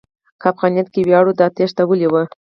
که افغانیت کې ویاړ و، دا تېښته ولې وه؟